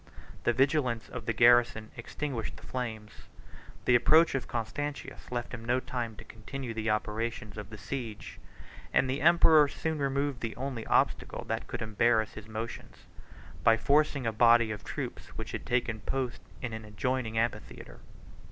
The vigilance of the garrison extinguished the flames; the approach of Constantius left him no time to continue the operations of the siege; and the emperor soon removed the only obstacle that could embarrass his motions, by forcing a body of troops which had taken post in an adjoining amphitheatre.